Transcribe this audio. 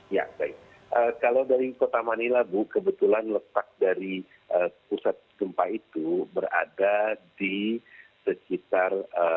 ya baik kalau dari kota manila bu kebetulan letak dari pusat gempa itu berada di sekitar